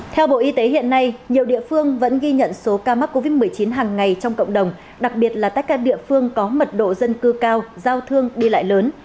theo bộ y tế hiện nay nhiều địa phương vẫn ghi nhận số ca mắc covid một mươi chín hàng ngày trong cộng đồng đặc biệt là tại các địa phương có mật độ dân cư cao giao thương đi lại lớn